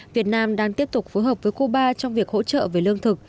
việt nam đang tiếp tục phối hợp với cuba trong việc hỗ trợ về lương thực